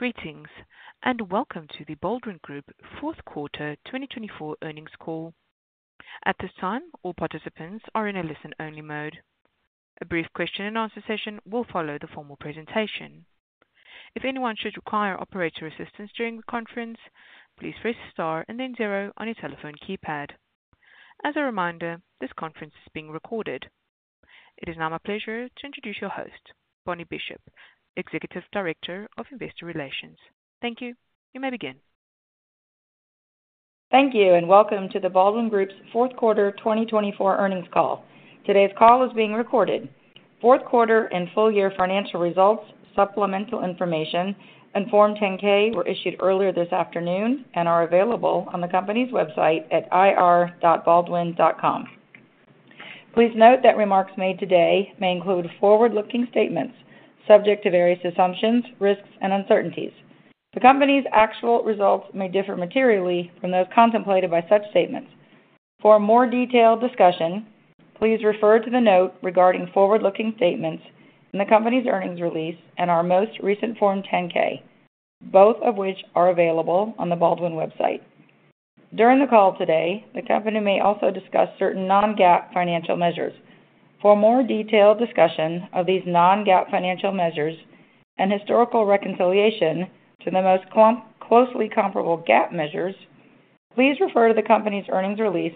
Greetings, and welcome to The Baldwin Group Fourth Quarter 2024 Earnings Call. At this time, all participants are in a listen-only mode. A brief question-and-answer session will follow the formal presentation. If anyone should require operator assistance during the conference, please press star and then zero on your telephone keypad. As a reminder, this conference is being recorded. It is now my pleasure to introduce your host, Bonnie Bishop, Executive Director of Investor Relations. Thank you. You may begin. Thank you, and welcome to the Baldwin Group's Fourth Quarter 2024 Earnings Call. Today's call is being recorded. Fourth quarter and full-year financial results, supplemental information, and Form 10-K were issued earlier this afternoon and are available on the company's website at ir.baldwin.com. Please note that remarks made today may include forward-looking statements subject to various assumptions, risks, and uncertainties. The company's actual results may differ materially from those contemplated by such statements. For more detailed discussion, please refer to the note regarding forward-looking statements in the company's earnings release and our most recent Form 10-K, both of which are available on the Baldwin website. During the call today, the company may also discuss certain non-GAAP financial measures. For more detailed discussion of these non-GAAP financial measures and historical reconciliation to the most closely comparable GAAP measures, please refer to the company's earnings release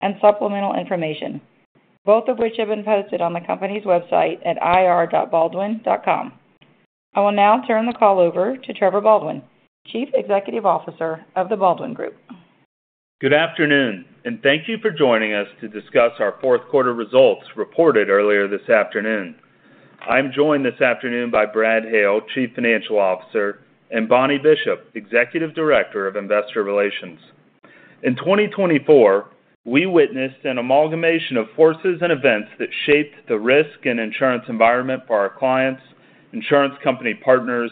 and supplemental information, both of which have been posted on the company's website at ir.baldwin.com. I will now turn the call over to Trevor Baldwin, Chief Executive Officer of The Baldwin Group. Good afternoon, and thank you for joining us to discuss our fourth quarter results reported earlier this afternoon. I'm joined this afternoon by Brad Hale, Chief Financial Officer, and Bonnie Bishop, Executive Director of Investor Relations. In 2024, we witnessed an amalgamation of forces and events that shaped the risk and insurance environment for our clients, insurance company partners,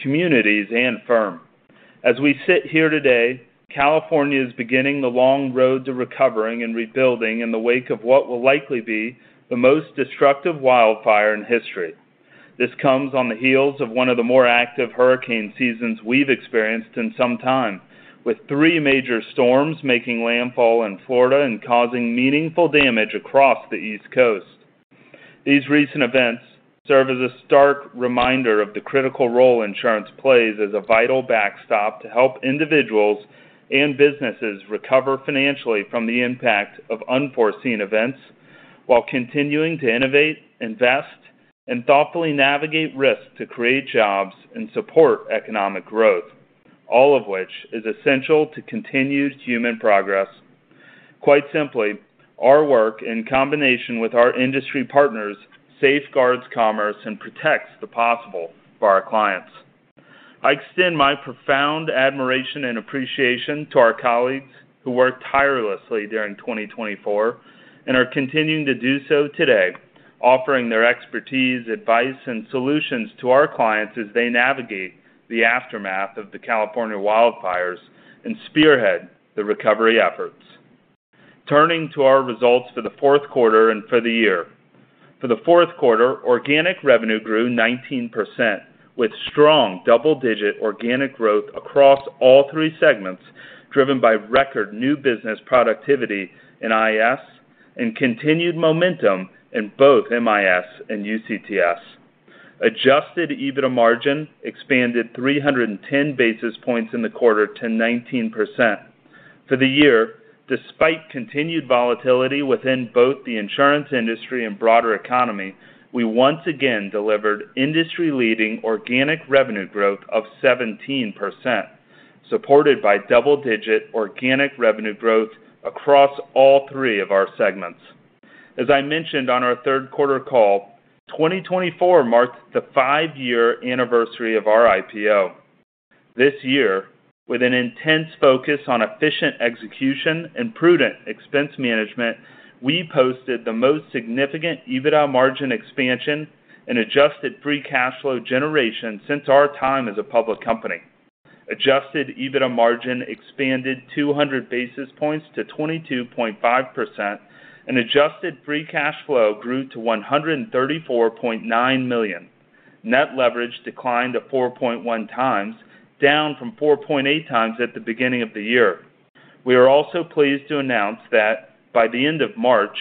communities, and firm. As we sit here today, California is beginning the long road to recovering and rebuilding in the wake of what will likely be the most destructive wildfire in history. This comes on the heels of one of the more active hurricane seasons we've experienced in some time, with three major storms making landfall in Florida and causing meaningful damage across the East Coast. These recent events serve as a stark reminder of the critical role insurance plays as a vital backstop to help individuals and businesses recover financially from the impact of unforeseen events while continuing to innovate, invest, and thoughtfully navigate risk to create jobs and support economic growth, all of which is essential to continued human progress. Quite simply, our work in combination with our industry partners safeguards commerce and protects the possible for our clients. I extend my profound admiration and appreciation to our colleagues who worked tirelessly during 2024 and are continuing to do so today, offering their expertise, advice, and solutions to our clients as they navigate the aftermath of the California wildfires and spearhead the recovery efforts. Turning to our results for the fourth quarter and for the year, for the fourth quarter, organic revenue grew 19% with strong double-digit organic growth across all three segments driven by record new business productivity in IAS and continued momentum in both MIS and UCTS. Adjusted EBITDA margin expanded 310 basis points in the quarter to 19%. For the year, despite continued volatility within both the insurance industry and broader economy, we once again delivered industry-leading organic revenue growth of 17%, supported by double-digit organic revenue growth across all three of our segments. As I mentioned on our third quarter call, 2024 marked the five-year anniversary of our IPO. This year, with an intense focus on efficient execution and prudent expense management, we posted the most significant EBITDA margin expansion and adjusted free cash flow generation since our time as a public company. Adjusted EBITDA margin expanded 200 basis points to 22.5%, and Adjusted Free Cash Flow grew to $134.9 million. Net Leverage declined to 4.1x, down from 4.8x at the beginning of the year. We are also pleased to announce that by the end of March,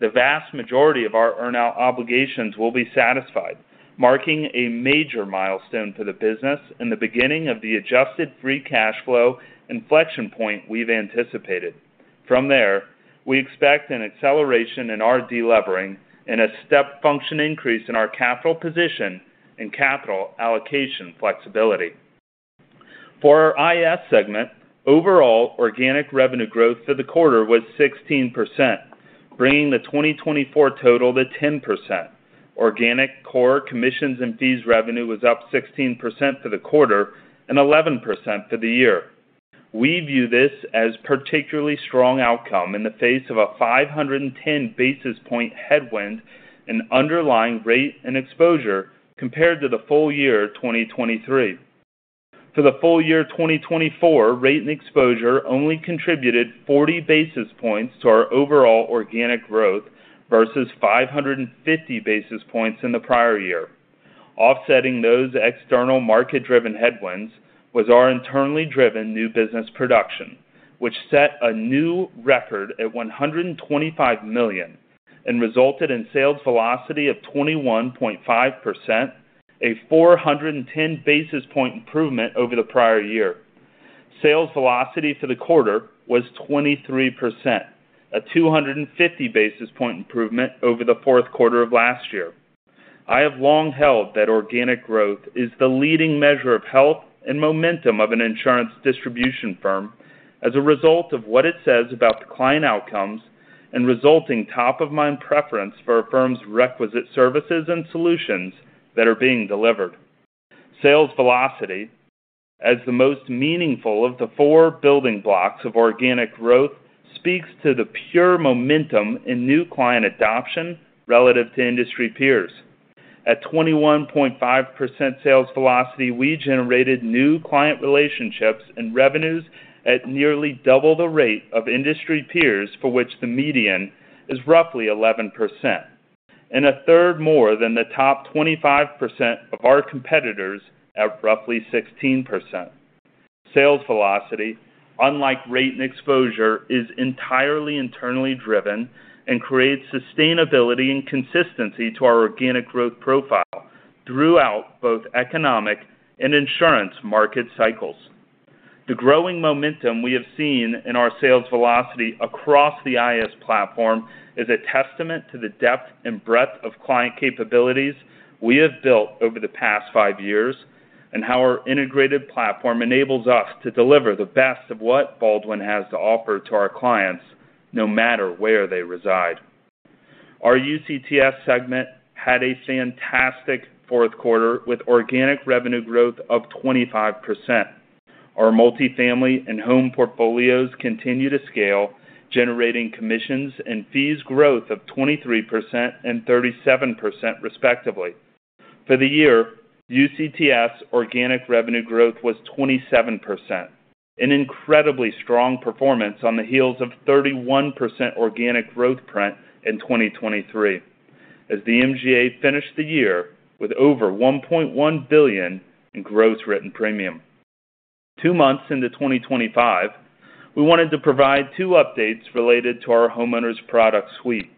the vast majority of our earnout obligations will be satisfied, marking a major milestone for the business and the beginning of the Adjusted Free Cash Flow inflection point we've anticipated. From there, we expect an acceleration in our delevering and a step function increase in our capital position and capital allocation flexibility. For our IAS segment, overall organic revenue growth for the quarter was 16%, bringing the 2024 total to 10%. Organic core commissions and fees revenue was up 16% for the quarter and 11% for the year. We view this as a particularly strong outcome in the face of a 510 basis point headwind and underlying rate and exposure compared to the full year 2023. For the full year 2024, rate and exposure only contributed 40 basis points to our overall organic growth versus 550 basis points in the prior year. Offsetting those external market-driven headwinds was our internally driven new business production, which set a new record at $125 million and resulted in sales velocity of 21.5%, a 410 basis point improvement over the prior year. Sales velocity for the quarter was 23%, a 250 basis point improvement over the fourth quarter of last year. I have long held that organic growth is the leading measure of health and momentum of an insurance distribution firm as a result of what it says about the client outcomes and resulting top-of-mind preference for a firm's requisite services and solutions that are being delivered. Sales velocity, as the most meaningful of the four building blocks of organic growth, speaks to the pure momentum in new client adoption relative to industry peers. At 21.5% sales velocity, we generated new client relationships and revenues at nearly double the rate of industry peers for which the median is roughly 11%, and a third more than the top 25% of our competitors at roughly 16%. Sales velocity, unlike rate and exposure, is entirely internally driven and creates sustainability and consistency to our organic growth profile throughout both economic and insurance market cycles. The growing momentum we have seen in our sales velocity across the IAS platform is a testament to the depth and breadth of client capabilities we have built over the past five years and how our integrated platform enables us to deliver the best of what Baldwin has to offer to our clients no matter where they reside. Our UCTS segment had a fantastic fourth quarter with organic revenue growth of 25%. Our multifamily and home portfolios continue to scale, generating commissions and fees growth of 23% and 37% respectively. For the year, UCTS organic revenue growth was 27%, an incredibly strong performance on the heels of 31% organic growth print in 2023, as the MGA finished the year with over $1.1 billion in gross written premium. Two months into 2025, we wanted to provide two updates related to our homeowners' product suite.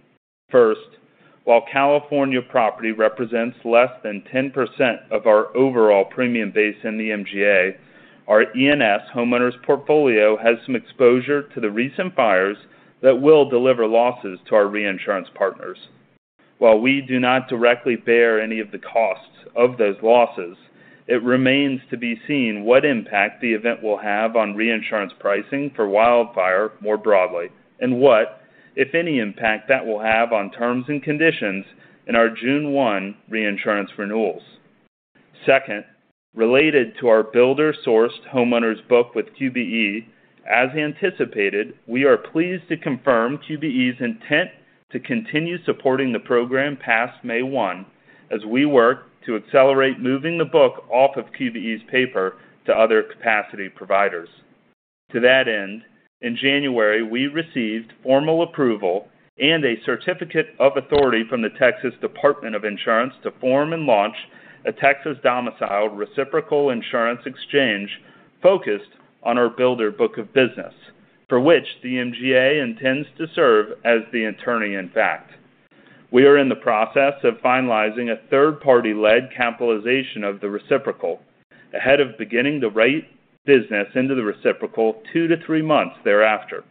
First, while California property represents less than 10% of our overall premium base in the MGA, our E&S homeowners' portfolio has some exposure to the recent fires that will deliver losses to our reinsurance partners. While we do not directly bear any of the costs of those losses, it remains to be seen what impact the event will have on reinsurance pricing for wildfire more broadly and what, if any, impact that will have on terms and conditions in our June 1 reinsurance renewals. Second, related to our builder-sourced homeowners' book with QBE, as anticipated, we are pleased to confirm QBE's intent to continue supporting the program past May 1 as we work to accelerate moving the book off of QBE's paper to other capacity providers. To that end, in January, we received formal approval and a certificate of authority from the Texas Department of Insurance to form and launch a Texas-domiciled reciprocal insurance exchange focused on our builder book of business, for which the MGA intends to serve as the attorney-in-fact. We are in the process of finalizing a third-party-led capitalization of the reciprocal ahead of beginning the writing business into the reciprocal two to three months thereafter.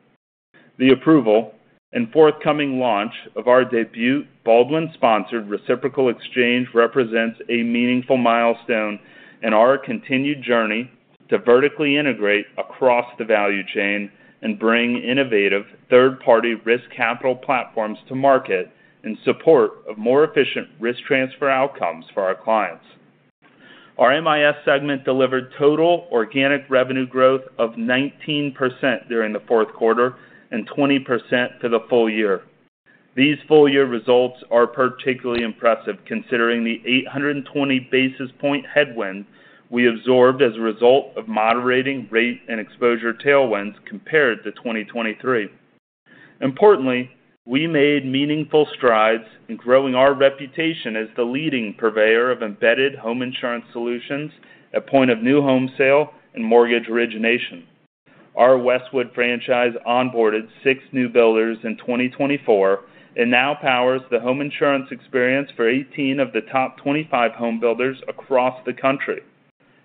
The approval and forthcoming launch of our debut Baldwin-sponsored reciprocal exchange represents a meaningful milestone in our continued journey to vertically integrate across the value chain and bring innovative third-party risk capital platforms to market in support of more efficient risk transfer outcomes for our clients. Our MIS segment delivered total organic revenue growth of 19% during the fourth quarter and 20% for the full year. These full-year results are particularly impressive considering the 820 basis point headwind we absorbed as a result of moderating rate and exposure tailwinds compared to 2023. Importantly, we made meaningful strides in growing our reputation as the leading purveyor of embedded home insurance solutions at point of new home sale and mortgage origination. Our Westwood franchise onboarded six new builders in 2024 and now powers the home insurance experience for 18 of the top 25 home builders across the country.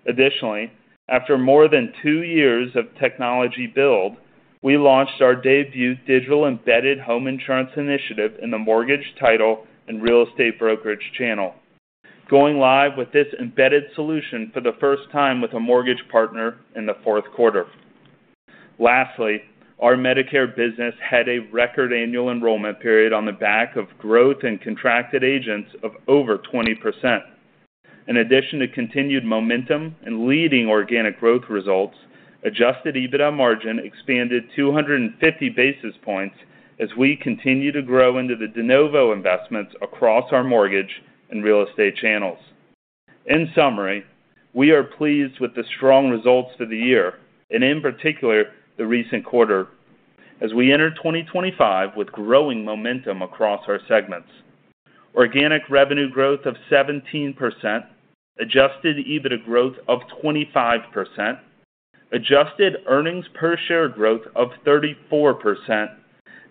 Additionally, after more than two years of technology build, we launched our debut digital embedded home insurance initiative in the mortgage title and real estate brokerage channel, going live with this embedded solution for the first time with a mortgage partner in the fourth quarter. Lastly, our Medicare business had a record annual enrollment period on the back of growth and contracted agents of over 20%. In addition to continued momentum and leading organic growth results, Adjusted EBITDA margin expanded 250 basis points as we continue to grow into the de novo investments across our mortgage and real estate channels. In summary, we are pleased with the strong results for the year and in particular the recent quarter as we enter 2025 with growing momentum across our segments: organic revenue growth of 17%, Adjusted EBITDA growth of 25%, adjusted earnings per share growth of 34%,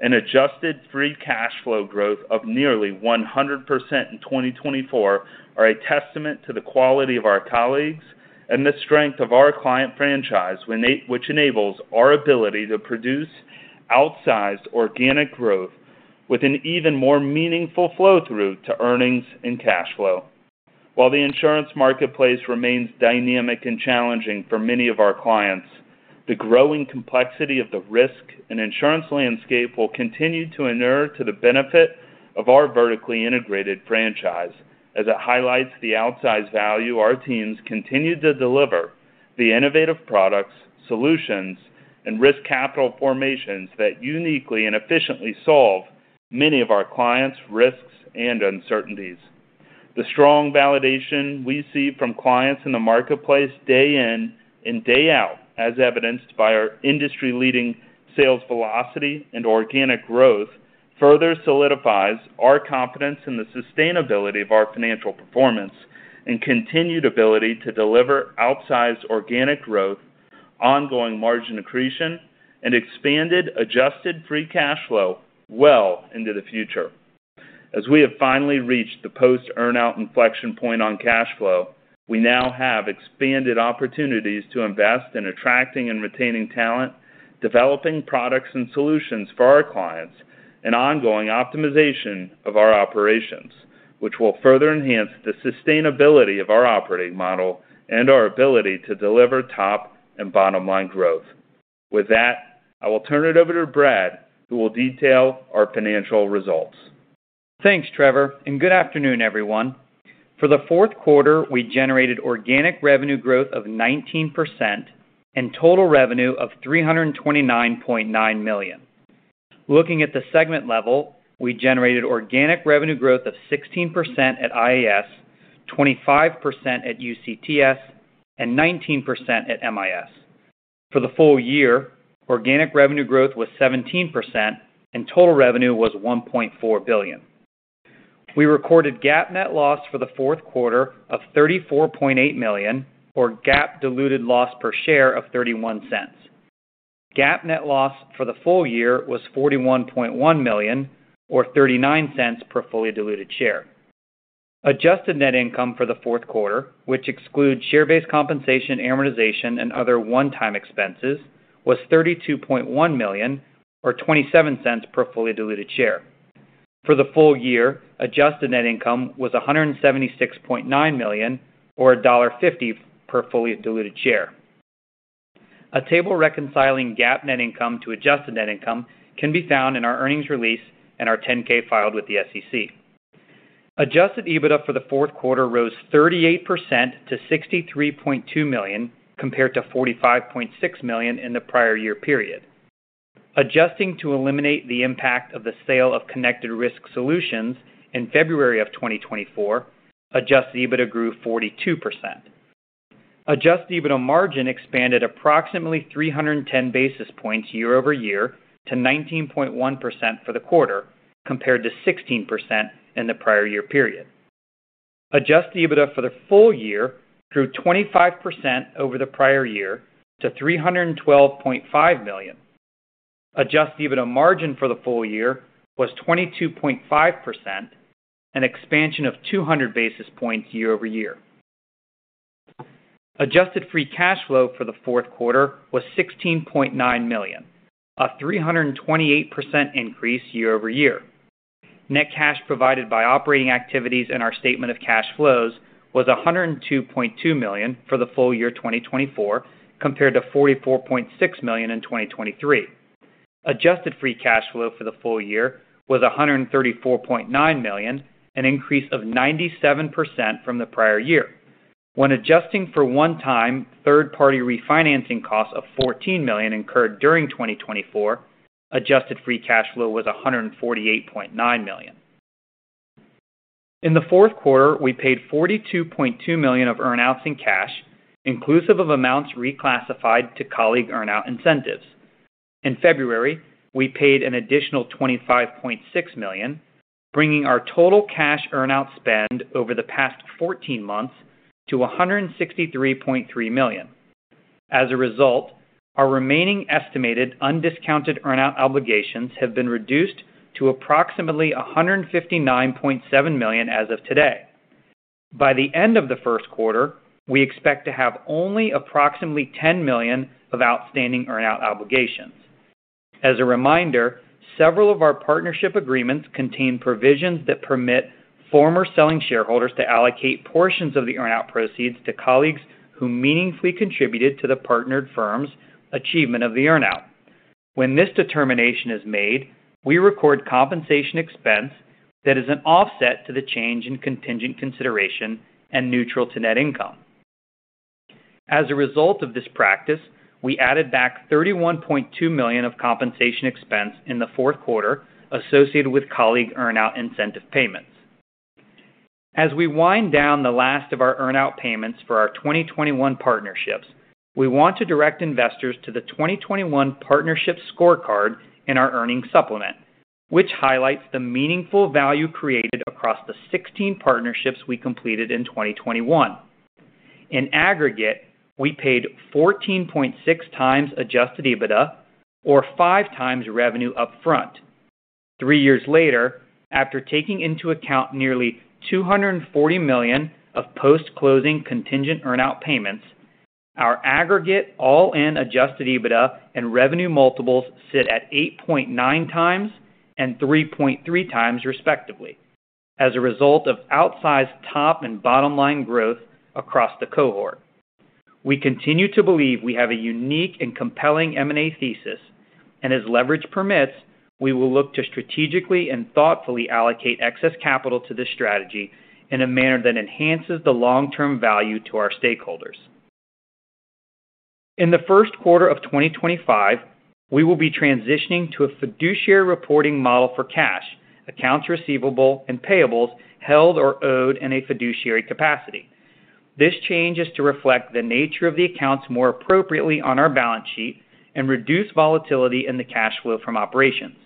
and Adjusted Free Cash Flow growth of nearly 100% in 2024 are a testament to the quality of our colleagues and the strength of our client franchise, which enables our ability to produce outsized organic growth with an even more meaningful flow through to earnings and cash flow. While the insurance marketplace remains dynamic and challenging for many of our clients, the growing complexity of the risk and insurance landscape will continue to inure to the benefit of our vertically integrated franchise as it highlights the outsized value our teams continue to deliver the innovative products, solutions, and risk capital formations that uniquely and efficiently solve many of our clients' risks and uncertainties. The strong validation we see from clients in the marketplace day in and day out, as evidenced by our industry-leading sales velocity and organic growth, further solidifies our confidence in the sustainability of our financial performance and continued ability to deliver outsized organic growth, ongoing margin accretion, and expanded adjusted free cash flow well into the future. As we have finally reached the post-earn-out inflection point on cash flow, we now have expanded opportunities to invest in attracting and retaining talent, developing products and solutions for our clients, and ongoing optimization of our operations, which will further enhance the sustainability of our operating model and our ability to deliver top and bottom-line growth. With that, I will turn it over to Brad, who will detail our financial results. Thanks, Trevor, and good afternoon, everyone. For the fourth quarter, we generated organic revenue growth of 19% and total revenue of $329.9 million. Looking at the segment level, we generated organic revenue growth of 16% at IAS, 25% at UCTS, and 19% at MIS. For the full year, organic revenue growth was 17%, and total revenue was $1.4 billion. We recorded GAAP net loss for the fourth quarter of $34.8 million, or GAAP diluted loss per share of $0.31. GAAP net loss for the full year was $41.1 million, or $0.39 per fully diluted share. Adjusted net income for the fourth quarter, which excludes share-based compensation, amortization, and other one-time expenses, was $32.1 million, or $0.27 per fully diluted share. For the full year, adjusted net income was $176.9 million, or $1.50 per fully diluted share. A table reconciling GAAP net income to adjusted net income can be found in our earnings release and our 10-K filed with the SEC. Adjusted EBITDA for the fourth quarter rose 38% to $63.2 million compared to $45.6 million in the prior year period. Adjusting to eliminate the impact of the sale of Connected Risk Solutions in February of 2024, adjusted EBITDA grew 42%. Adjusted EBITDA margin expanded approximately 310 basis points year over year to 19.1% for the quarter compared to 16% in the prior year period. Adjusted EBITDA for the full year grew 25% over the prior year to $312.5 million. Adjusted EBITDA margin for the full year was 22.5%, an expansion of 200 basis points year-over-year. Adjusted Free Cash Flow for the fourth quarter was $16.9 million, a 328% increase year over year. Net cash provided by operating activities in our statement of cash flows was $102.2 million for the full year 2024 compared to $44.6 million in 2023. Adjusted Free Cash Flow for the full year was $134.9 million, an increase of 97% from the prior year. When adjusting for one-time third-party refinancing costs of $14 million incurred during 2024, Adjusted Free Cash Flow was $148.9 million. In the fourth quarter, we paid $42.2 million of earnouts in cash, inclusive of amounts reclassified to colleague earnout incentives. In February, we paid an additional $25.6 million, bringing our total cash earnout spend over the past 14 months to $163.3 million. As a result, our remaining estimated undiscounted earnout obligations have been reduced to approximately $159.7 million as of today. By the end of the first quarter, we expect to have only approximately $10 million of outstanding earnout obligations. As a reminder, several of our partnership agreements contain provisions that permit former selling shareholders to allocate portions of the earnout proceeds to colleagues who meaningfully contributed to the partnered firm's achievement of the earnout. When this determination is made, we record compensation expense that is an offset to the change in contingent consideration and neutral to net income. As a result of this practice, we added back $31.2 million of compensation expense in the fourth quarter associated with colleague earnout incentive payments. As we wind down the last of our earnout payments for our 2021 partnerships, we want to direct investors to the 2021 partnership scorecard in our earnings supplement, which highlights the meaningful value created across the 16 partnerships we completed in 2021. In aggregate, we paid 14.6x Adjusted EBITDA, or five times revenue upfront. Three years later, after taking into account nearly $240 million of post-closing contingent earnout payments, our aggregate all-in Adjusted EBITDA and revenue multiples sit at 8.9x and 3.3x, respectively, as a result of outsized top and bottom-line growth across the cohort. We continue to believe we have a unique and compelling M&A thesis, and as leverage permits, we will look to strategically and thoughtfully allocate excess capital to this strategy in a manner that enhances the long-term value to our stakeholders. In the first quarter of 2025, we will be transitioning to a fiduciary reporting model for cash, accounts receivable, and payables held or owed in a fiduciary capacity. This change is to reflect the nature of the accounts more appropriately on our balance sheet and reduce volatility in the cash flow from operations.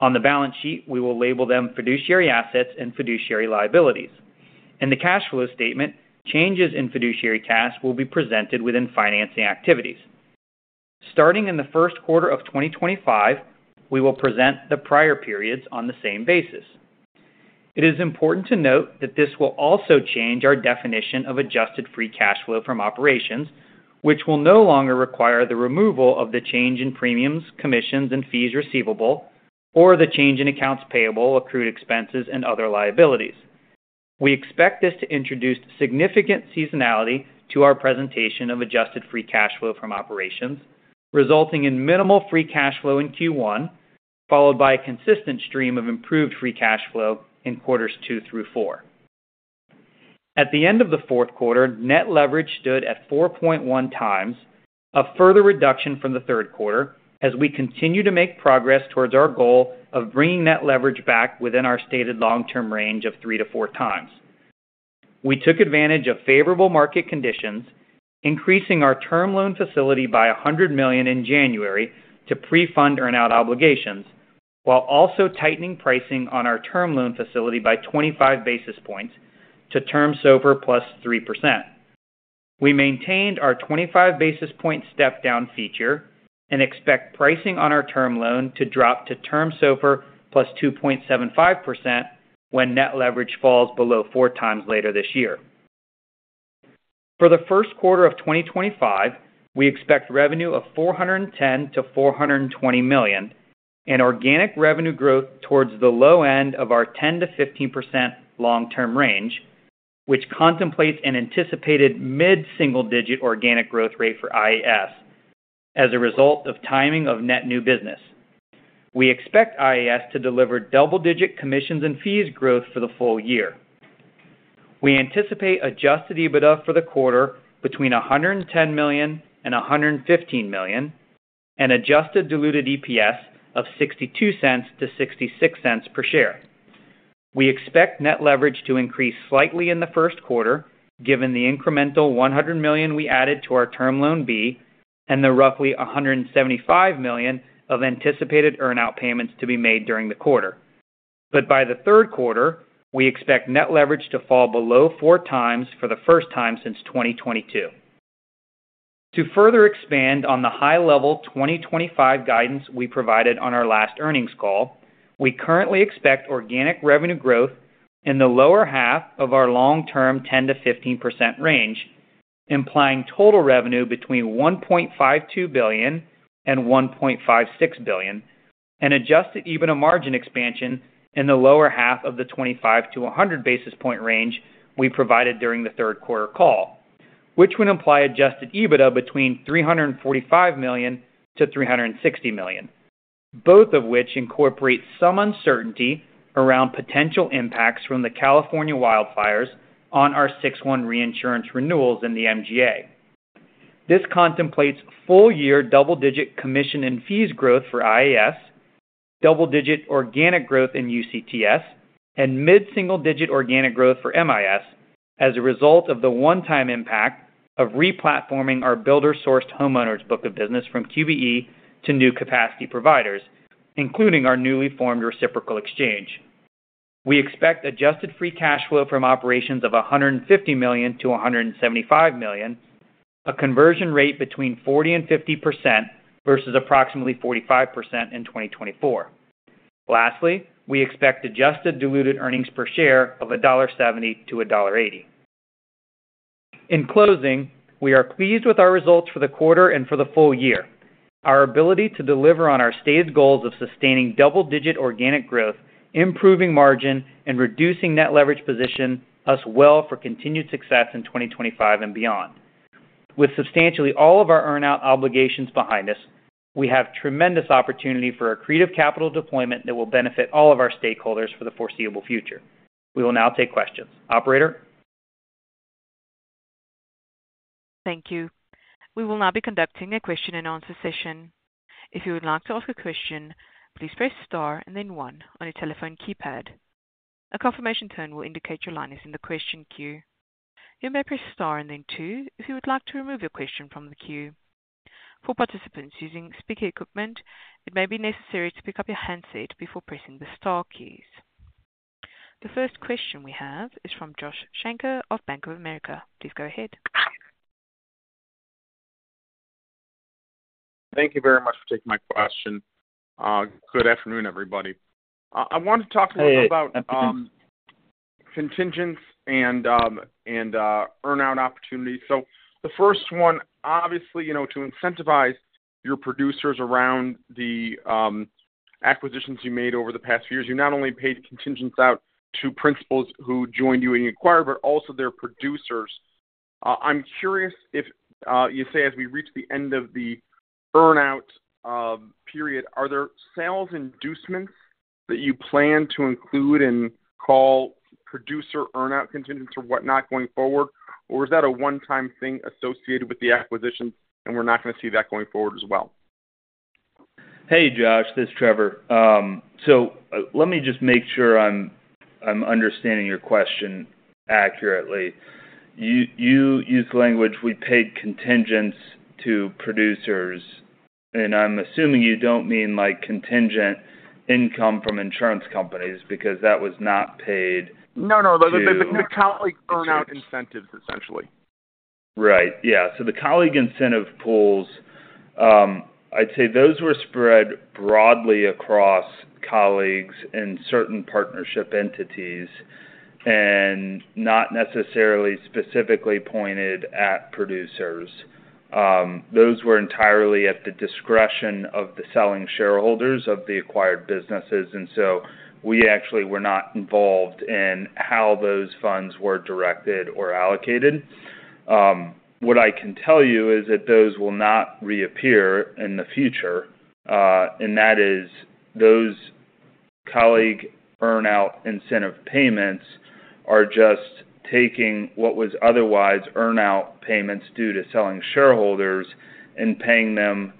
On the balance sheet, we will label them fiduciary assets and fiduciary liabilities. In the cash flow statement, changes in fiduciary cash will be presented within financing activities. Starting in the first quarter of 2025, we will present the prior periods on the same basis. It is important to note that this will also change our definition of adjusted free cash flow from operations, which will no longer require the removal of the change in premiums, commissions, and fees receivable, or the change in accounts payable, accrued expenses, and other liabilities. We expect this to introduce significant seasonality to our presentation of adjusted free cash flow from operations, resulting in minimal free cash flow in Q1, followed by a consistent stream of improved free cash flow in quarters two through four. At the end of the fourth quarter, net leverage stood at 4.1x, a further reduction from the third quarter as we continue to make progress towards our goal of bringing net leverage back within our stated long-term range of three to four times. We took advantage of favorable market conditions, increasing our term loan facility by $100 million in January to pre-fund earnout obligations, while also tightening pricing on our term loan facility by 25 basis points to Term SOFR plus 3%. We maintained our 25 basis point step-down feature and expect pricing on our term loan to drop to Term SOFR +2.75% when net leverage falls below four times later this year. For the first quarter of 2025, we expect revenue of $410 million-$420 million and organic revenue growth towards the low end of our 10%-15% long-term range, which contemplates an anticipated mid-single-digit organic growth rate for IAS as a result of timing of net new business. We expect IAS to deliver double-digit commissions and fees growth for the full year. We anticipate Adjusted EBITDA for the quarter between $110 million and $115 million and Adjusted Diluted EPS of $0.62 - $0.66 per share. We expect Net Leverage to increase slightly in the first quarter, given the incremental $100 million we added to our Term Loan B and the roughly $175 million of anticipated Earnout payments to be made during the quarter. But by the third quarter, we expect Net Leverage to fall below four times for the first time since 2022. To further expand on the high-level 2025 guidance we provided on our last earnings call, we currently expect organic revenue growth in the lower half of our long-term 10%-15% range, implying total revenue between $1.52 billion and $1.56 billion, and adjusted EBITDA margin expansion in the lower half of the 25-100 basis point range we provided during the third quarter call, which would imply adjusted EBITDA between $345 million - $360 million, both of which incorporate some uncertainty around potential impacts from the California wildfires on our June 1 reinsurance renewals in the MGA. This contemplates full-year double-digit commission and fees growth for IAS, double-digit organic growth in UCTS, and mid-single-digit organic growth for MIS as a result of the one-time impact of replatforming our builder-sourced homeowners book of business from QBE to new capacity providers, including our newly formed reciprocal exchange. We expect adjusted free cash flow from operations of $150 million-$175 million, a conversion rate between 40%-50% versus approximately 45% in 2024. Lastly, we expect adjusted diluted earnings per share of $1.70-$1.80. In closing, we are pleased with our results for the quarter and for the full year. Our ability to deliver on our stated goals of sustaining double-digit organic growth, improving margin, and reducing net leverage position us well for continued success in 2025 and beyond. With substantially all of our earnout obligations behind us, we have tremendous opportunity for a creative capital deployment that will benefit all of our stakeholders for the foreseeable future. We will now take questions. Operator. Thank you. We will now be conducting a question and answer session. If you would like to ask a question, please press Star and then One on your telephone keypad. A confirmation tone will indicate your line is in the question queue. You may press star and then two if you would like to remove your question from the queue. For participants using speaker equipment, it may be necessary to pick up your handset before pressing the star keys. The first question we have is from Josh Shanker of Bank of America. Please go ahead. Thank you very much for taking my question. Good afternoon, everybody. I wanted to talk to you about contingents and earnout opportunities. So the first one, obviously, to incentivize your producers around the acquisitions you made over the past few years, you not only paid contingents out to principals who joined you in the acquirer, but also their producers. I'm curious if you say as we reach the end of the earnout period, are there sales inducements that you plan to include in colleague producer earnout contingents or whatnot going forward, or is that a one-time thing associated with the acquisitions and we're not going to see that going forward as well? Hey, Josh. This is Trevor. So let me just make sure I'm understanding your question accurately. You used the language, "We paid contingents to producers," and I'm assuming you don't mean contingent income from insurance companies because that was not paid. No, no. The colleague earnout incentives, essentially. Right. Yeah. So the colleague incentive pools, I'd say those were spread broadly across colleagues in certain partnership entities and not necessarily specifically pointed at producers. Those were entirely at the discretion of the selling shareholders of the acquired businesses, and so we actually were not involved in how those funds were directed or allocated. What I can tell you is that those will not reappear in the future, and that is those colleague earnout incentive payments are just taking what was otherwise earnout payments due to selling shareholders and paying them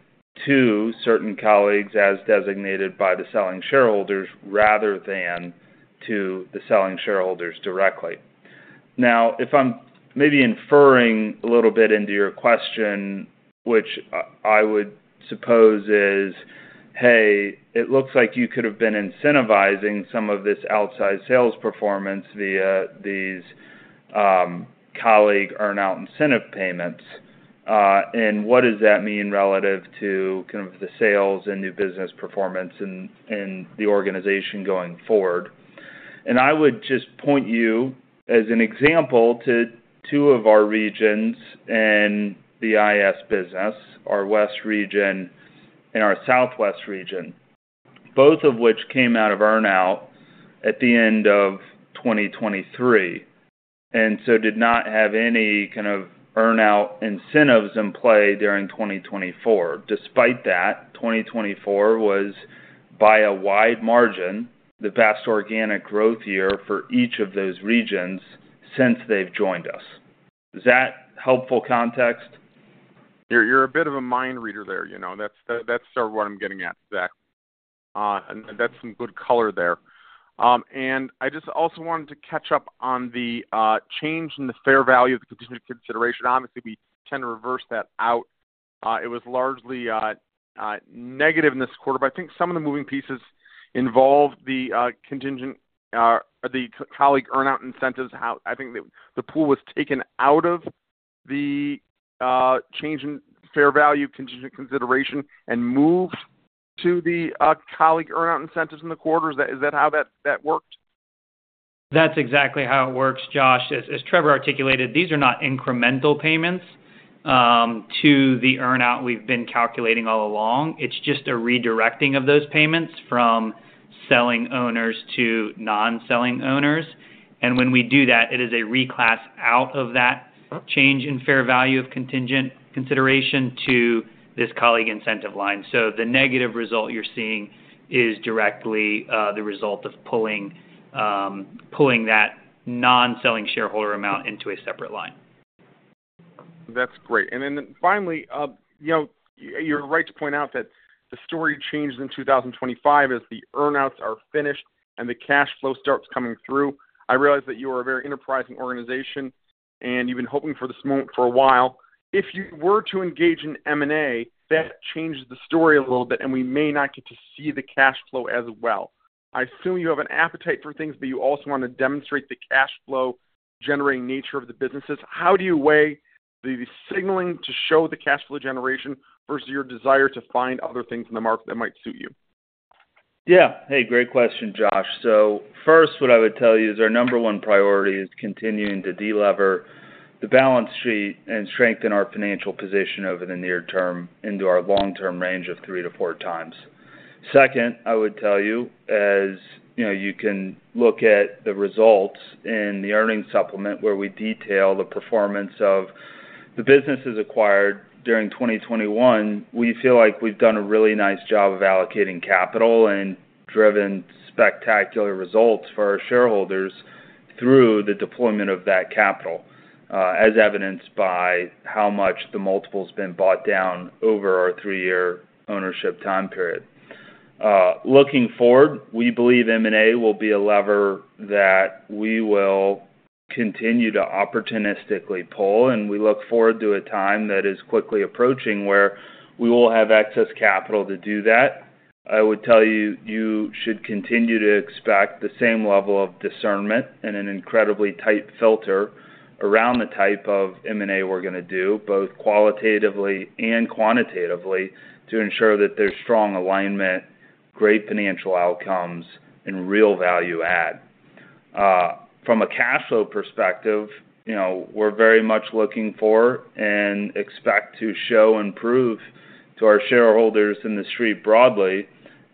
to certain colleagues as designated by the selling shareholders rather than to the selling shareholders directly. Now, if I'm maybe inferring a little bit into your question, which I would suppose is, "Hey, it looks like you could have been incentivizing some of this outsized sales performance via these colleague earnout incentive payments," and what does that mean relative to kind of the sales and new business performance in the organization going forward? And I would just point you as an example to two of our regions in the IAS business, our west region and our southwest region, both of which came out of earnout at the end of 2023 and so did not have any kind of earnout incentives in play during 2024. Despite that, 2024 was, by a wide margin, the best organic growth year for each of those regions since they've joined us. Is that helpful context? You're a bit of a mind reader there. That's sort of what I'm getting at, exactly. That's some good color there. And I just also wanted to catch up on the change in the fair value of the contingent consideration. Obviously, we tend to reverse that out. It was largely negative in this quarter, but I think some of the moving pieces involved the colleague earnout incentives. I think the pool was taken out of the change in fair value contingent consideration and moved to the colleague earnout incentives in the quarter. Is that how that worked? That's exactly how it works, Josh. As Trevor articulated, these are not incremental payments to the earnout we've been calculating all along. It's just a redirecting of those payments from selling owners to non-selling owners. And when we do that, it is a reclass out of that change in fair value of contingent consideration to this colleague incentive line. So the negative result you're seeing is directly the result of pulling that non-selling shareholder amount into a separate line. That's great. And then finally, you're right to point out that the story changed in 2025 as the earnouts are finished and the cash flow starts coming through. I realize that you are a very enterprising organization, and you've been hoping for this moment for a while. If you were to engage in M&A, that changes the story a little bit, and we may not get to see the cash flow as well. I assume you have an appetite for things, but you also want to demonstrate the cash flow generating nature of the businesses. How do you weigh the signaling to show the cash flow generation versus your desire to find other things in the market that might suit you? Yeah. Hey, great question, Josh. So first, what I would tell you is our number one priority is continuing to delever the balance sheet and strengthen our financial position over the near term into our long-term range of three to four times. Second, I would tell you, as you can look at the results in the earnings supplement where we detail the performance of the businesses acquired during 2021, we feel like we've done a really nice job of allocating capital and driven spectacular results for our shareholders through the deployment of that capital, as evidenced by how much the multiples been bought down over our three-year ownership time period. Looking forward, we believe M&A will be a lever that we will continue to opportunistically pull, and we look forward to a time that is quickly approaching where we will have excess capital to do that. I would tell you you should continue to expect the same level of discernment and an incredibly tight filter around the type of M&A we're going to do, both qualitatively and quantitatively, to ensure that there's strong alignment, great financial outcomes, and real value add. From a cash flow perspective, we're very much looking for and expect to show and prove to our shareholders in the street broadly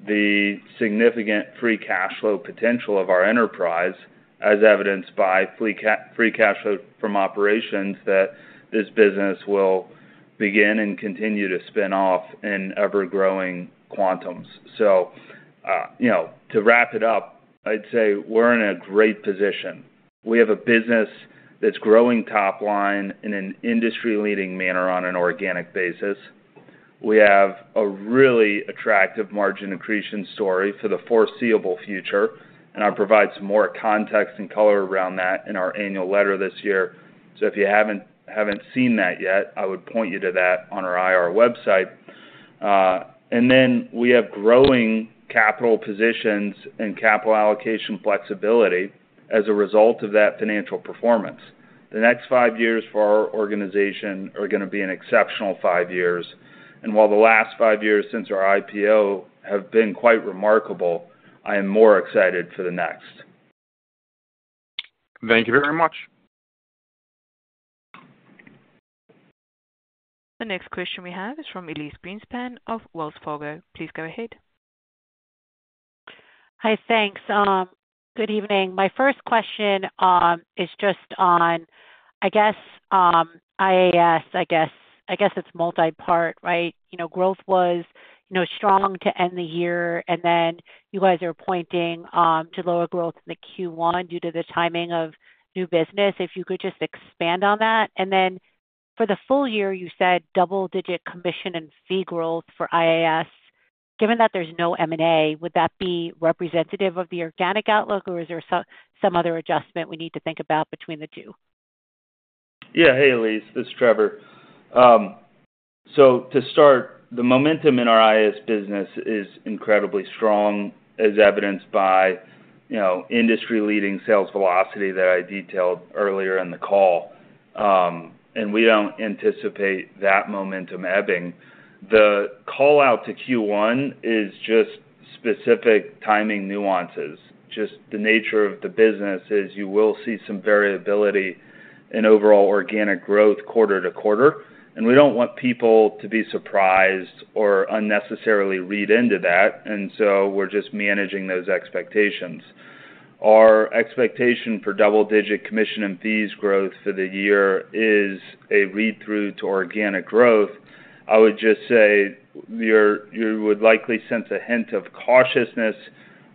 the significant free cash flow potential of our enterprise, as evidenced by free cash flow from operations that this business will begin and continue to spin off in ever-growing quantums. So to wrap it up, I'd say we're in a great position. We have a business that's growing top line in an industry-leading manner on an organic basis. We have a really attractive margin accretion story for the foreseeable future, and I'll provide some more context and color around that in our annual letter this year. So if you haven't seen that yet, I would point you to that on our IR website. And then we have growing capital positions and capital allocation flexibility as a result of that financial performance. The next five years for our organization are going to be an exceptional five years, and while the last five years since our IPO have been quite remarkable, I am more excited for the next. Thank you very much. The next question we have is from Elyse Greenspan of Wells Fargo. Please go ahead. Hi, thanks. Good evening. My first question is just on, I guess, IAS, I guess it's multipart, right? Growth was strong to end the year, and then you guys are pointing to lower growth in the Q1 due to the timing of new business. If you could just expand on that. And then for the full year, you said double-digit commission and fee growth for IAS. Given that there's no M&A, would that be representative of the organic outlook, or is there some other adjustment we need to think about between the two? Yeah. Hey, Elyse. This is Trevor. So to start, the momentum in our IAS business is incredibly strong, as evidenced by industry-leading sales velocity that I detailed earlier in the call. And we don't anticipate that momentum ebbing. The callout to Q1 is just specific timing nuances. Just the nature of the business is you will see some variability in overall organic growth quarter to quarter. And we don't want people to be surprised or unnecessarily read into that, and so we're just managing those expectations. Our expectation for double-digit commission and fees growth for the year is a read-through to organic growth. I would just say you would likely sense a hint of cautiousness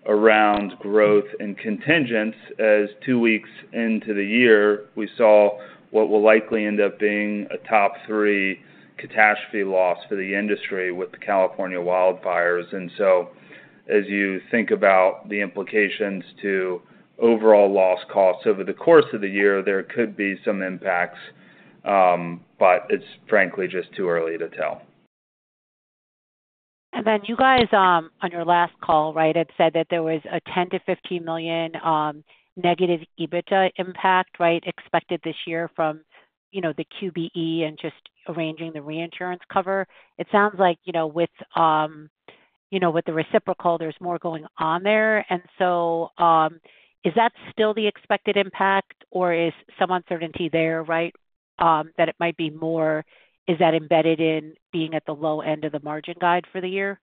around growth and contingents as two weeks into the year, we saw what will likely end up being a top-three catastrophe loss for the industry with the California wildfires. And so as you think about the implications to overall loss costs over the course of the year, there could be some impacts, but it's frankly just too early to tell. And then you guys, on your last call, right, had said that there was a $10 million - $15 million negative EBITDA impact, right, expected this year from the QBE and just arranging the reinsurance cover. It sounds like with the reciprocal, there's more going on there. And so is that still the expected impact, or is some uncertainty there, right, that it might be more? Is that embedded in being at the low end of the margin guide for the year?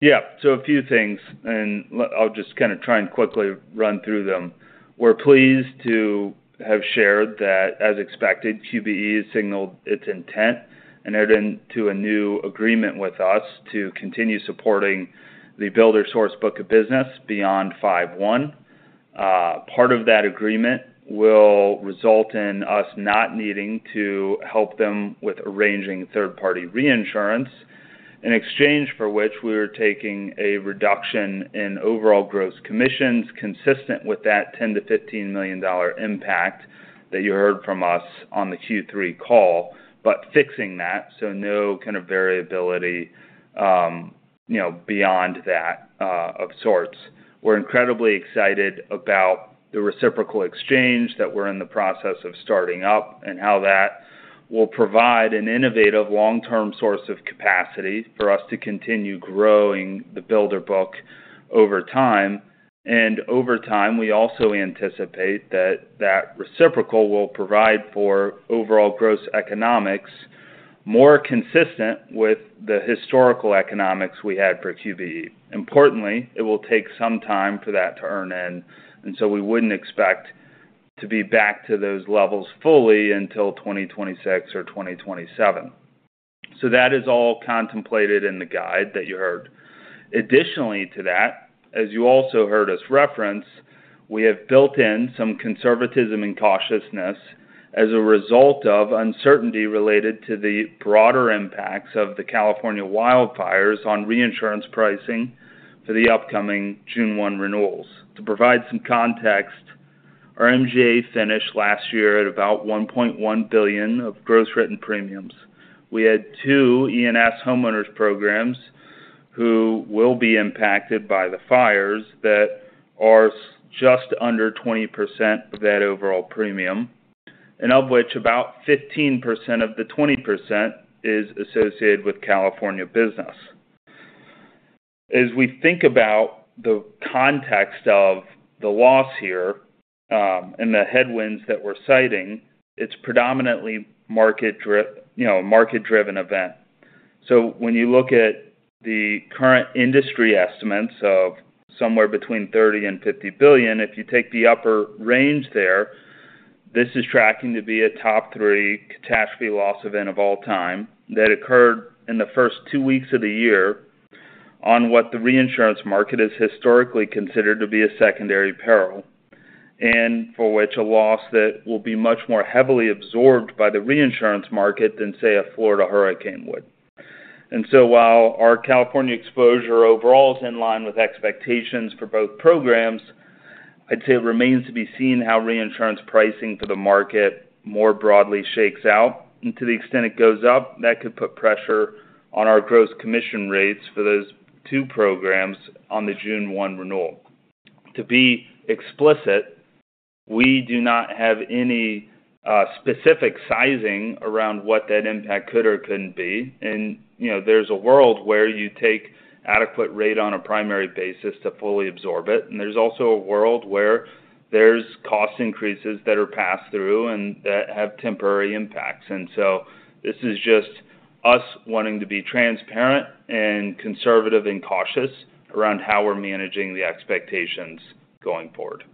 Yeah. So a few things, and I'll just kind of try and quickly run through them. We're pleased to have shared that, as expected, QBE has signaled its intent and entered into a new agreement with us to continue supporting the builder-sourced book of business beyond 5/1. Part of that agreement will result in us not needing to help them with arranging third-party reinsurance, in exchange for which we are taking a reduction in overall gross commissions consistent with that $10 million - $15 million impact that you heard from us on the Q3 call, but fixing that, so no kind of variability beyond that of sorts. We're incredibly excited about the reciprocal exchange that we're in the process of starting up and how that will provide an innovative long-term source of capacity for us to continue growing the builder Book over time. And over time, we also anticipate that that reciprocal will provide for overall gross economics more consistent with the historical economics we had for QBE. Importantly, it will take some time for that to earn in, and so we wouldn't expect to be back to those levels fully until 2026 or 2027. So that is all contemplated in the guide that you heard. Additionally to that, as you also heard us reference, we have built in some conservatism and cautiousness as a result of uncertainty related to the broader impacts of the California wildfires on reinsurance pricing for the upcoming June 1 renewals. To provide some context, our MGA finished last year at about 1.1 billion of gross written premiums. We had two E&S homeowners programs who will be impacted by the fires that are just under 20% of that overall premium, and of which about 15% of the 20% is associated with California business. As we think about the context of the loss here and the headwinds that we're citing, it's predominantly a market-driven event. So when you look at the current industry estimates of somewhere between $30 billion and $50 billion, if you take the upper range there, this is tracking to be a top-three catastrophe loss event of all time that occurred in the first two weeks of the year on what the reinsurance market has historically considered to be a secondary peril, and for which a loss that will be much more heavily absorbed by the reinsurance market than, say, a Florida hurricane would. And so while our California exposure overall is in line with expectations for both programs, I'd say it remains to be seen how reinsurance pricing for the market more broadly shakes out. And to the extent it goes up, that could put pressure on our gross commission rates for those two programs on the June 1 renewal. To be explicit, we do not have any specific sizing around what that impact could or couldn't be. And there's a world where you take adequate rate on a primary basis to fully absorb it, and there's also a world where there's cost increases that are passed through and that have temporary impacts. And so this is just us wanting to be transparent and conservative and cautious around how we're managing the expectations going forward.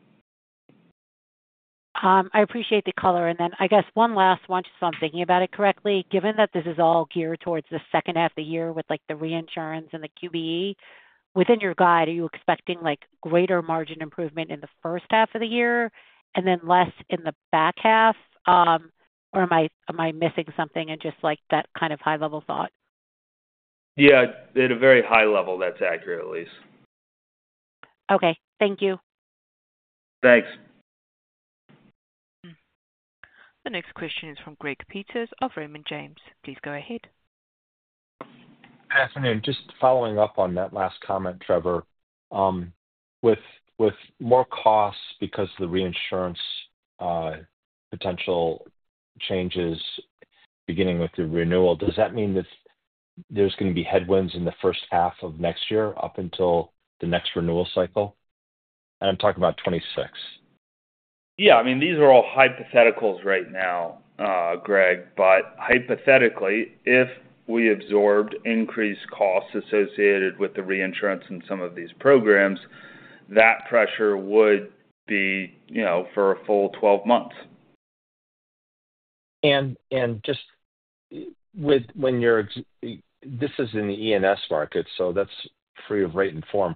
I appreciate the color. And then I guess one last one, just so I'm thinking about it correctly. Given that this is all geared towards the second half of the year with the reinsurance and the QBE, within your guide, are you expecting greater margin improvement in the first half of the year and then less in the back half? Or am I missing something in just that kind of high-level thought? Yeah. At a very high level, that's accurate, Elyse. Okay. Thank you. Thanks. The next question is from Greg Peters of Raymond James. Please go ahead. Good afternoon. Just following up on that last comment, Trevor. With more costs because of the reinsurance potential changes beginning with the renewal, does that mean that there's going to be headwinds in the first half of next year up until the next renewal cycle? And I'm talking about 2026. Yeah. I mean, these are all hypotheticals right now, Greg, but hypothetically, if we absorbed increased costs associated with the reinsurance in some of these programs, that pressure would be for a full 12 months. And just when you're—this is in the E&S market, so that's free of rate and form.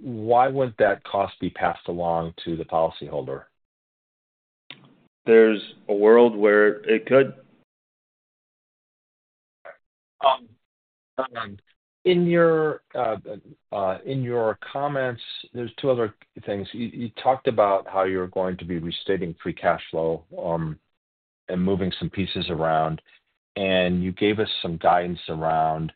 Why would that cost be passed along to the policyholder? There's a world where it could. In your comments, there's two other things. You talked about how you're going to be restating free cash flow and moving some pieces around, and you gave us some guidance around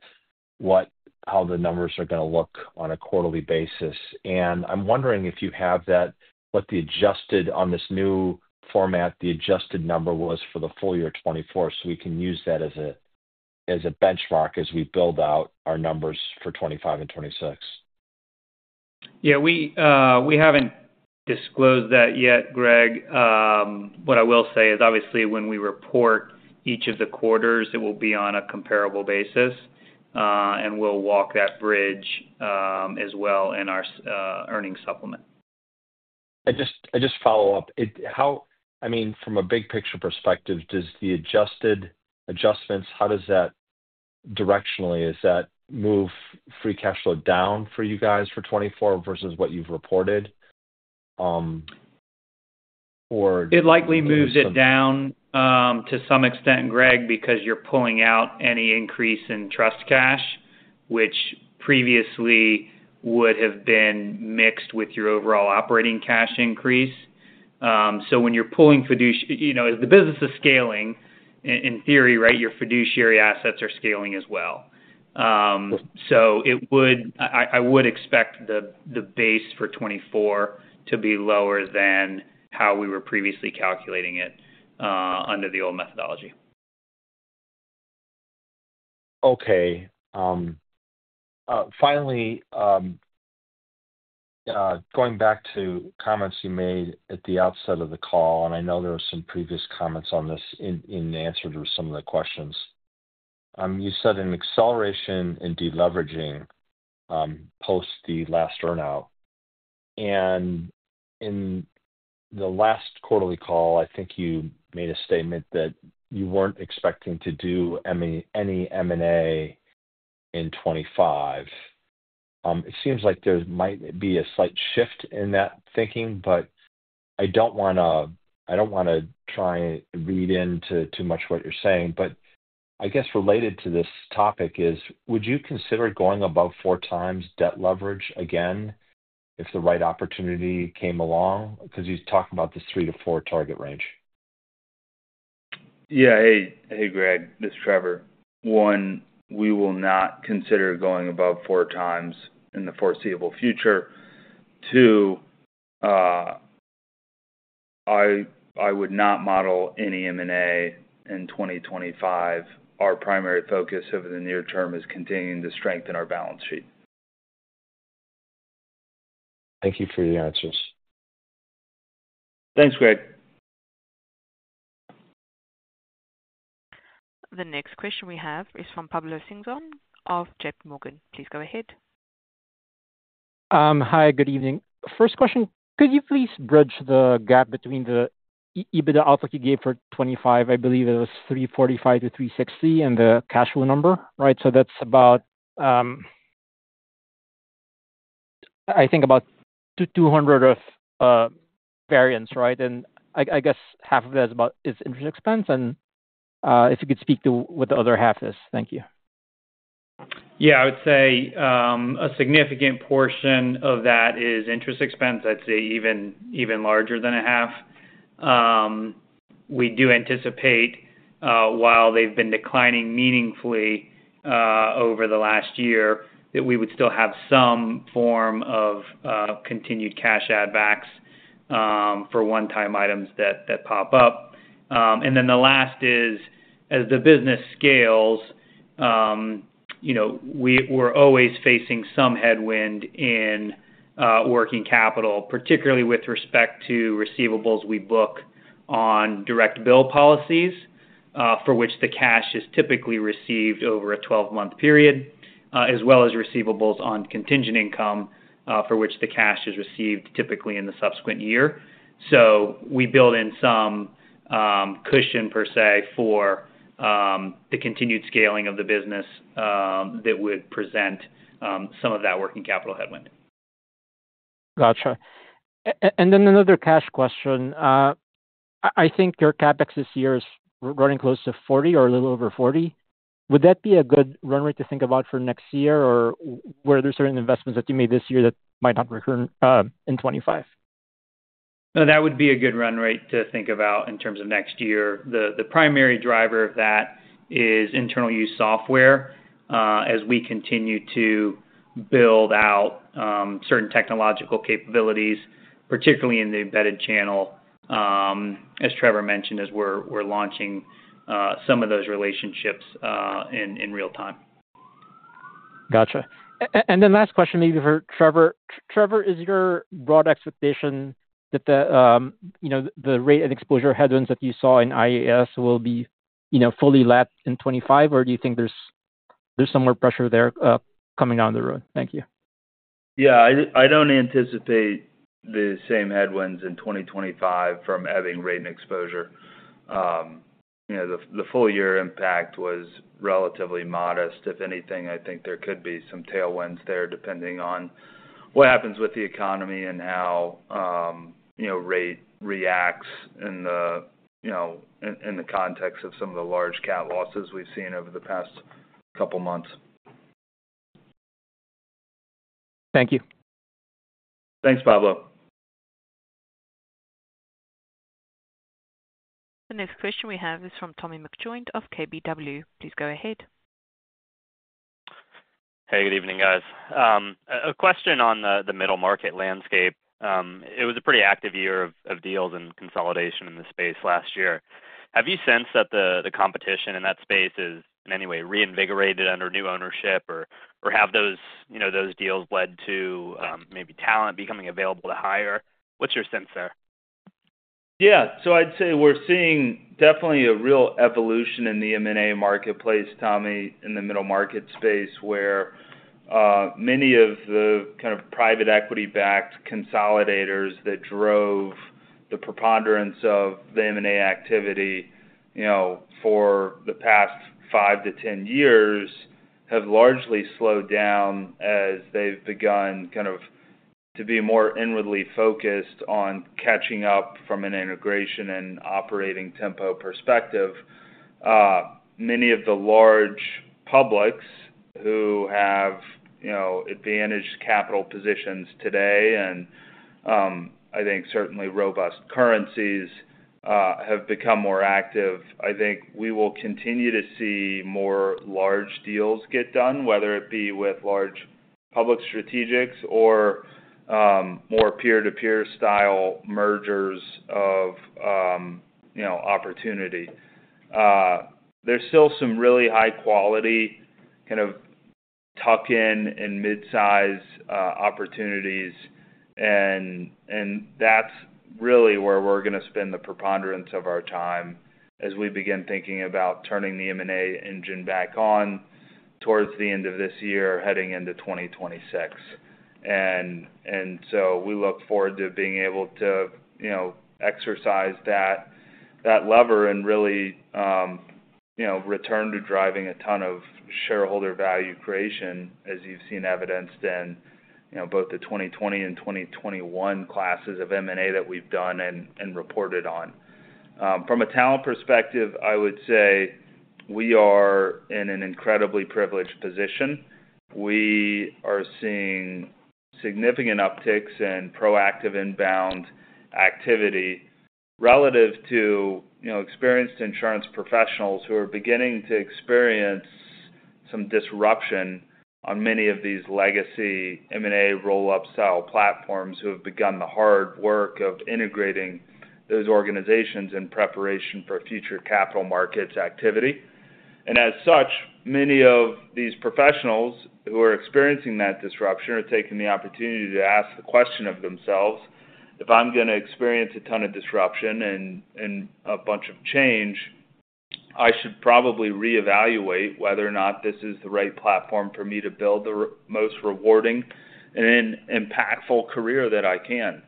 how the numbers are going to look on a quarterly basis. And I'm wondering if you have that, what the adjusted on this new format, the adjusted number was for the full year 2024, so we can use that as a benchmark as we build out our numbers for 2025 and 2026. Yeah. We haven't disclosed that yet, Greg. What I will say is, obviously, when we report each of the quarters, it will be on a comparable basis, and we'll walk that bridge as well in our earnings supplement. I just follow up. I mean, from a big-picture perspective, does the adjusted adjustments, how does that directionally, does that move free cash flow down for you guys for 2024 versus what you've reported? Or.. it likely moves it down to some extent, Greg, because you're pulling out any increase in trust cash, which previously would have been mixed with your overall operating cash increase. So when you're pulling, as the business is scaling, in theory, right, your fiduciary assets are scaling as well. So I would expect the base for 2024 to be lower than how we were previously calculating it under the old methodology. Okay. Finally, going back to comments you made at the outset of the call, and I know there were some previous comments on this in the answer to some of the questions, you said an acceleration in deleveraging post the last earnout. And in the last quarterly call, I think you made a statement that you weren't expecting to do any M&A in 2025. It seems like there might be a slight shift in that thinking, but I don't want to—I don't want to try and read into too much what you're saying. But I guess related to this topic is, would you consider going above four times debt leverage again if the right opportunity came along? Because you talked about the three to four target range. Yeah. Hey, Greg. This is Trevor. One, we will not consider going above four times in the foreseeable future. Two, I would not model any M&A in 2025. Our primary focus over the near term is continuing to strengthen our balance sheet. Thank you for your answers. Thanks, Greg. The next question we have is from Pablo Singzon of J.P. Morgan. Please go ahead. Hi. Good evening. First question, could you please bridge the gap between the EBITDA outlook you gave for 2025? I believe it was 345-360 and the cash flow number, right? So that's about, I think, about 200 of variance, right? And I guess half of that is interest expense. And if you could speak to what the other half is. Thank you. Yeah. I would say a significant portion of that is interest expense. I'd say even larger than a half. We do anticipate, while they've been declining meaningfully over the last year, that we would still have some form of continued cash add-backs for one-time items that pop up. And then the last is, as the business scales, we're always facing some headwind in working capital, particularly with respect to receivables we book on direct bill policies for which the cash is typically received over a 12-month period, as well as receivables on contingent income for which the cash is received typically in the subsequent year. So we build in some cushion, per se, for the continued scaling of the business that would present some of that working capital headwind. Gotcha. And then another cash question. I think your CapEx this year is running close to $40 or a little over $40. Would that be a good run rate to think about for next year, or were there certain investments that you made this year that might not return in 2025? No, that would be a good run rate to think about in terms of next year. The primary driver of that is internal-use software as we continue to build out certain technological capabilities, particularly in the embedded channel, as Trevor mentioned, as we're launching some of those relationships in real time. Gotcha. And then last question maybe for Trevor. Trevor, is your broad expectation that the rate and exposure headwinds that you saw in IAS will be fully lapped in 2025, or do you think there's some more pressure there coming down the road? Thank you. Yeah. I don't anticipate the same headwinds in 2025 from rate and exposure. The full-year impact was relatively modest. If anything, I think there could be some tailwinds there depending on what happens with the economy and how rate reacts in the context of some of the large cat losses we've seen over the past couple of months. Thank you. Thanks, Pablo. The next question we have is from Tommy McJoynt of KBW. Please go ahead. Hey, good evening, guys. A question on the middle market landscape. It was a pretty active year of deals and consolidation in the space last year. Have you sensed that the competition in that space is in any way reinvigorated under new ownership, or have those deals led to maybe talent becoming available to hire? What's your sense there? Yeah. I'd say we're seeing definitely a real evolution in the M&A marketplace, Tommy, in the middle market space, where many of the kind of private equity-backed consolidators that drove the preponderance of the M&A activity for the past five to 10 years have largely slowed down as they've begun kind of to be more inwardly focused on catching up from an integration and operating tempo perspective. Many of the large publics who have advantaged capital positions today, and I think certainly robust currencies, have become more active. I think we will continue to see more large deals get done, whether it be with large public strategics or more peer-to-peer style mergers of opportunity. There's still some really high-quality kind of tuck-in and mid-size opportunities, and that's really where we're going to spend the preponderance of our time as we begin thinking about turning the M&A engine back on towards the end of this year, heading into 2026, and so we look forward to being able to exercise that lever and really return to driving a ton of shareholder value creation, as you've seen evidenced in both the 2020 and 2021 classes of M&A that we've done and reported on. From a talent perspective, I would say we are in an incredibly privileged position. We are seeing significant upticks and proactive inbound activity relative to experienced insurance professionals who are beginning to experience some disruption on many of these legacy M&A roll-up style platforms who have begun the hard work of integrating those organizations in preparation for future capital markets activity. And as such, many of these professionals who are experiencing that disruption are taking the opportunity to ask the question of themselves, "If I'm going to experience a ton of disruption and a bunch of change, I should probably reevaluate whether or not this is the right platform for me to build the most rewarding and impactful career that I can."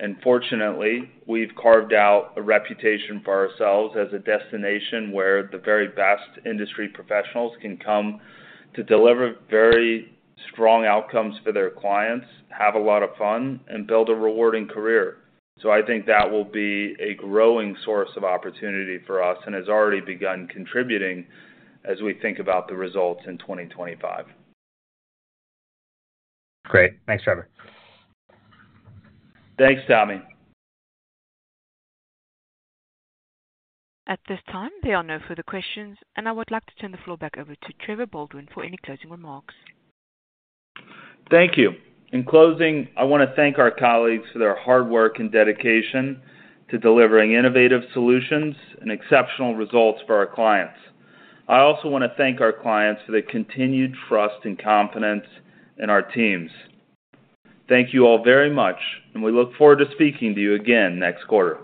And fortunately, we've carved out a reputation for ourselves as a destination where the very best industry professionals can come to deliver very strong outcomes for their clients, have a lot of fun, and build a rewarding career. So I think that will be a growing source of opportunity for us and has already begun contributing as we think about the results in 2025. Great. Thanks, Trevor. Thanks, Tommy. At this time, there are no further questions, and I would like to turn the floor back over to Trevor Baldwin for any closing remarks. Thank you. In closing, I want to thank our colleagues for their hard work and dedication to delivering innovative solutions and exceptional results for our clients. I also want to thank our clients for the continued trust and confidence in our teams. Thank you all very much, and we look forward to speaking to you again next quarter.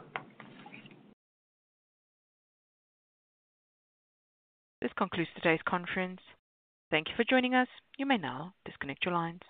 This concludes today's conference. Thank you for joining us. You may now disconnect your lines.